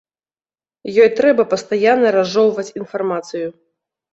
Ёй трэба пастаянна разжоўваць інфармацыю.